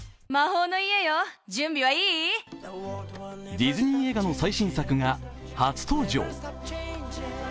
ディズニー映画の最新作が初登場。